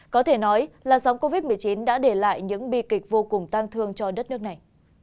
có thể nói là dòng covid một mươi chín đã để lại những bi kịch vô cùng tan thương cho đất nước này